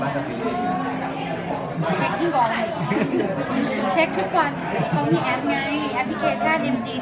เช็คยิ่งกว่าเช็คทุกวันเขามีแอปไงแอปพลิเคชันจริง